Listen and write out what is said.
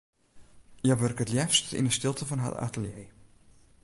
Hja wurke it leafst yn 'e stilte fan har atelier.